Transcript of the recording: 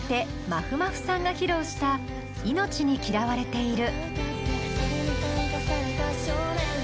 まふまふさんが披露した「命に嫌われている。」。